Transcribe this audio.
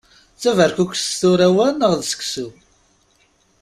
D taberkukest tura wa neɣ d seksu?